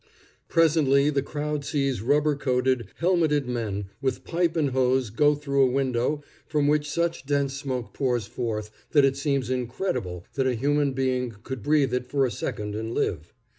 Presently the crowd sees rubber coated, helmeted men with pipe and hose go through a window from which such dense smoke pours forth that it seems incredible that a human being could breathe it for a second and live.